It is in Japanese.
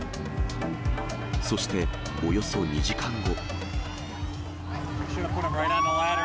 そして、およそ２時間後。